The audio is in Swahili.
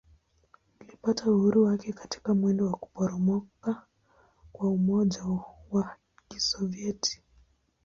Ilipata uhuru wake katika mwendo wa kuporomoka kwa Umoja wa Kisovyeti.